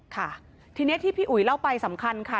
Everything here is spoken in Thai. ค่ะทีนี้ที่พี่อุ๋ยเล่าไปสำคัญค่ะ